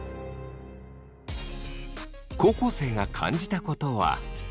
高校生が感じたことは。